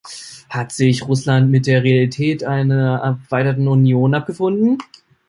Hat sich Russland mit der Realität einer erweiterten Union abgefunden?